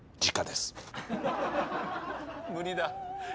無理だ。